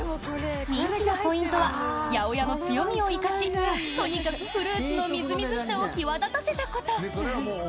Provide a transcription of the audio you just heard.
人気のポイントは八百屋の強みを生かしとにかくフルーツのみずみずしさを際立させたこと！